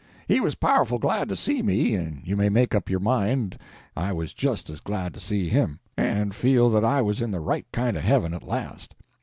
He was powerful glad to see me, and you may make up your mind I was just as glad to see him, and feel that I was in the right kind of a heaven at last.